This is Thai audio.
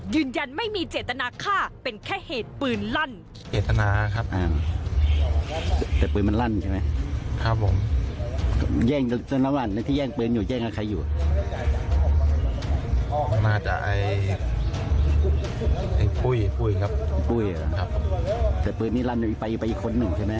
ยืนยันไม่มีเจตนาฆ่าเป็นแค่เหตุปืนลั่น